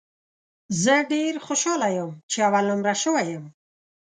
زه ډېر خوشاله یم ، چې اول نمره سوی یم